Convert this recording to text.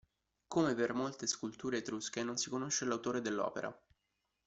Come per molte sculture etrusche, non si conosce l'autore dell'opera.